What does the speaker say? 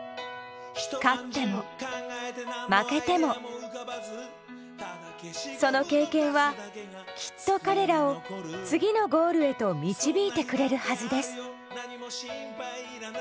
勝っても負けてもその経験はきっと彼らを次のゴールへと導いてくれるはずです。